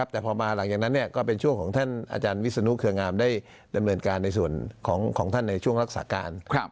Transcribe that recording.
แต่พอมาหลังจากนั้นก็เป็นช่วงของท่านอาจารย์วิศนุเครืองามได้ดำเนินการในส่วนของท่านในช่วงรักษาการ